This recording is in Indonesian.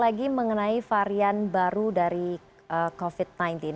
lagi mengenai varian baru dari covid sembilan belas